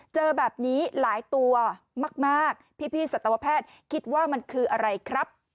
เจอแบบนี้หลายตัวมากพี่สัตวแพทย์คิดว่ามันคืออะไรครับ